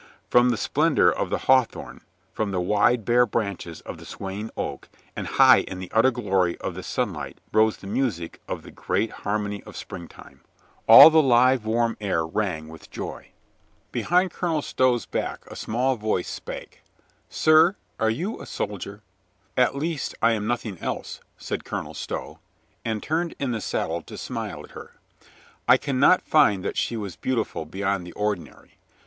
From the splendor of the hawthorn, from the wide, bare branches of the swaying oak and high in the utter glory of the sunlight rose the music of the great har mony of springtime. All the live warm air rang with joy. 30 COLONEL GREATHEART Behind Colonel Stow's back a small voice spake : "Sir, are you a soldier?" "At least I am nothing else," said Colonel Stow, and turned in the saddle to smile at her. I can not find that she was beautiful beyond the ordinary.